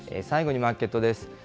最後にマーケットです。